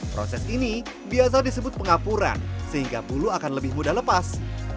proses ini biasa disebut pengapuran sehingga bulu akan lebih mudah lepas